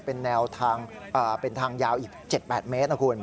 เป็นแนวทางยาวอีก๗๘เมตรนะคุณ